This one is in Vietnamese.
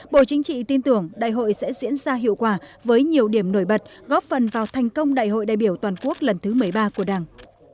bộ chính trị tin tưởng đại hội sẽ diễn ra hiệu quả với nhiều điểm nổi bật góp phần vào thành công đại hội đại biểu toàn quốc lần thứ một mươi ba của đảng